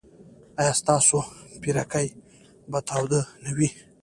ایا ستاسو پیرکي به تاوده نه وي؟